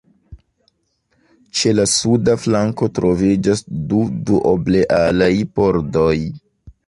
Ĉe la suda flanko troviĝas du duoblealaj pordoj.